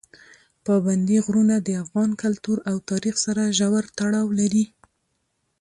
پابندي غرونه د افغان کلتور او تاریخ سره ژور تړاو لري.